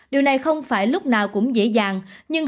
điều này không phải lúc nào cũng dễ dàng